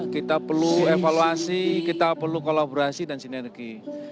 kita perlu evaluasi kita perlu kolaborasi dan sinergi